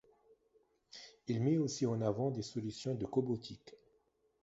Il met aussi en avant des solutions de cobotique.